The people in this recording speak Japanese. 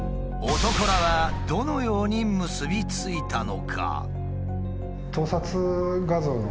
男らはどのように結びついたのか？